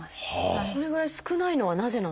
それぐらい少ないのはなぜなんですか？